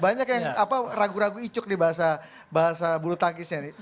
banyak yang ragu ragu icuk nih bahasa bulu tangkisnya nih